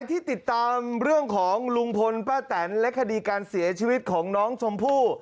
ที่ติดตามเรื่องของลุงพลป้าแตนและคดีการเสียชีวิตของน้องชมพู่